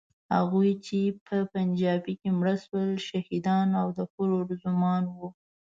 هغوی چې په پنجابۍ کې مړه شول، شهیدان او د حورو زومان وو.